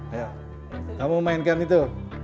ayo kamu memainkan itu